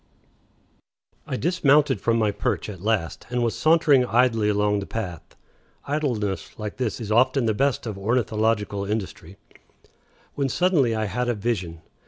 I dismounted from my perch at last, and was sauntering idly along the path (idleness like this is often the best of ornithological industry), when suddenly I had a vision!